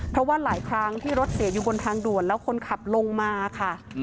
เพราะว่าหลายครั้งที่รถเสียอยู่บนทางด่วนแล้วคนขับลงมาค่ะ